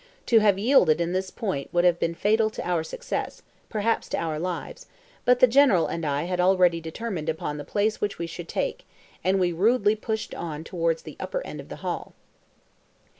To have yielded in this point would have have been fatal to our success, perhaps to our lives; but the General and I had already determined upon the place which we should take, and we rudely pushed on towards the upper end of the hall.